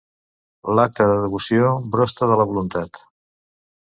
L'acte de devoció brosta de la voluntat.